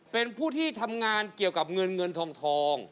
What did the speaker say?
เป็นผู้ที่ทำงานเกี่ยวกับเงินเงินทอง